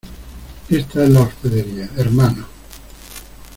esta es la hospedería, hermanos.